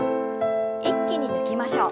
一気に抜きましょう。